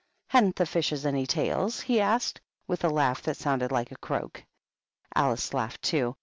" Hadn't the fishes any tails ?" he asked, with a laugh that sounded like a croak. Alice laughed too.